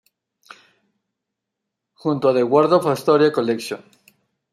Junto con The Waldorf=Astoria Collection.